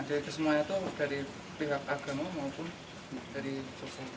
dari pihak agama maupun dari sosok